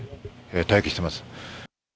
待機しています。